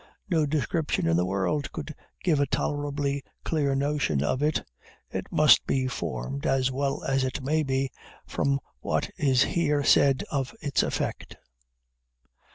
No description in the world could give a tolerably clear notion of it; it must be formed, as well as it may be, from what is here said of its effect.